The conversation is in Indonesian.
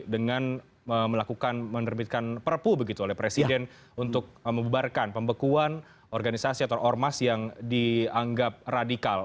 dengan melakukan menerbitkan perpu begitu oleh presiden untuk membubarkan pembekuan organisasi atau ormas yang dianggap radikal